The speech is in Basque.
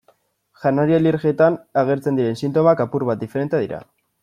Janari-alergietan agertzen diren sintomak apur bat diferenteak dira.